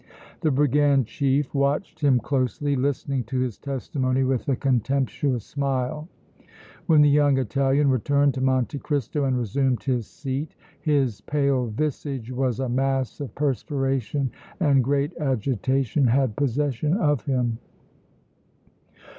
The brigand chief watched him closely, listening to his testimony with a contemptuous smile. When the young Italian returned to Monte Cristo and resumed his seat his pale visage was a mass of perspiration and great agitation had possession of him.